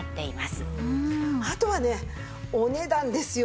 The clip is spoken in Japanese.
あとはねお値段ですよ。